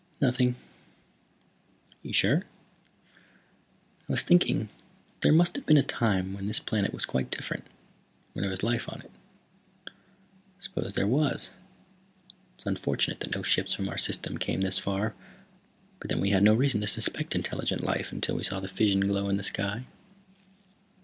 Nothing." "Are you sure?" "I was thinking that there must have been a time when this planet was quite different, when there was life on it." "I suppose there was. It's unfortunate that no ships from our system came this far, but then we had no reason to suspect intelligent life until we saw the fission glow in the sky."